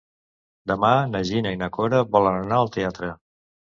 Demà na Gina i na Cora volen anar al teatre.